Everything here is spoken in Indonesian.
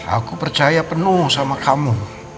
aku percaya penuh sama kamu